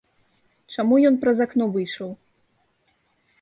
Чаму ён праз акно выйшаў?